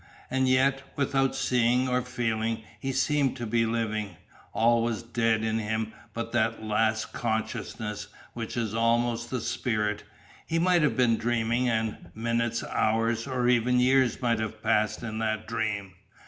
And yet, without seeing or feeling, he seemed to be living, All was dead in him but that last consciousness, which is almost the spirit; he might have been dreaming, and minutes, hours, or even years might have passed in that dream.